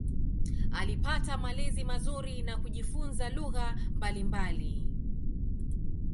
Alipata malezi mazuri na kujifunza lugha mbalimbali.